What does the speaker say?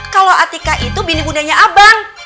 kalau atika itu bini budayanya abang